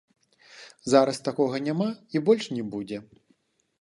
Зараз такога няма і больш не будзе.